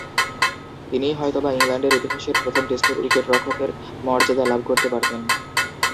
তিনিই হয়তোবা ইংল্যান্ডের ইতিহাসের প্রথম টেস্টের উইকেট-রক্ষকের মর্যাদা লাভ করতে পারতেন।